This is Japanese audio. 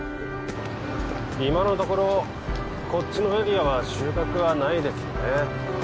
今のところこっちのエリアは収穫はないですね